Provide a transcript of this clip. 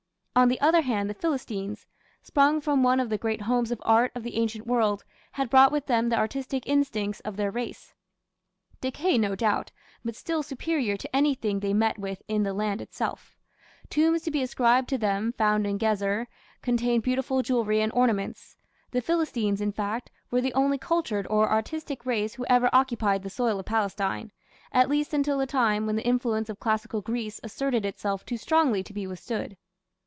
On the other hand, the Philistines, sprung from one of the great homes of art of the ancient world, had brought with them the artistic instincts of their race: decayed no doubt, but still superior to anything they met with in the land itself. Tombs to be ascribed to them, found in Gezer, contained beautiful jewellery and ornaments. The Philistines, in fact, were the only cultured or artistic race who ever occupied the soil of Palestine, at least until the time when the influence of classical Greece asserted itself too strongly to be withstood.